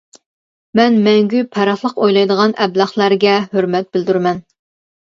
مەن مەڭگۈ پەرقلىق ئويلايدىغان ئەبلەخلەرگە ھۆرمەت بىلدۈرىمەن.